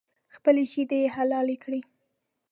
خپلې شیدې یې حلالې کړې